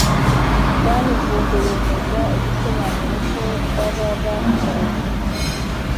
danny vumbi yemeza abisobanura ko baba bakoresheje